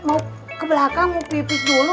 mau ke belakang mau pipit dulu